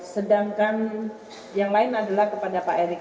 sedangkan yang lain adalah kepada pak erick